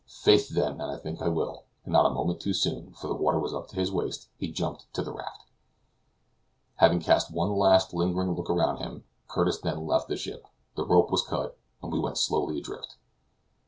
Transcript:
"Faith, then, and I think I will;" and not a moment too soon (for the water was up to his waist) he jumped on to the raft. Having cast one last, lingering look around him, Curtis then left the ship; the rope was cut, and we went slowly adrift.